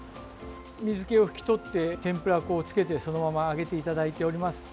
水けを拭き取って天ぷら粉をつけてそのまま揚げていただいております。